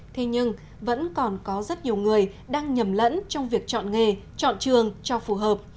thế nhưng vẫn còn có rất nhiều người đang nhầm lẫn trong việc chọn nghề chọn trường cho phù hợp